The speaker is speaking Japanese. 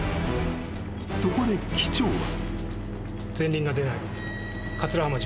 ［そこで機長は］